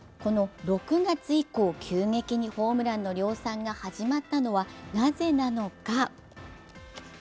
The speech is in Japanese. ６月以降、急激にホームランの量産が始まったのはなぜなのか。